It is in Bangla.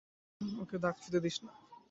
ওকে দাগ ছুঁতে দিস না।